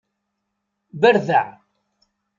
Berdeɛ.